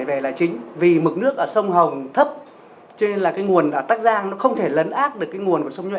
về là chính vì mực nước ở sông hồng thấp cho nên là cái nguồn ở bắc giang nó không thể lấn át được cái nguồn của sông nhuo